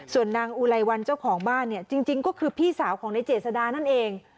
ส่วนนางอุไลวันเจ้าของบ้านเนี่ยจริงก็คือพี่สาวของในเจษดานั่นเอง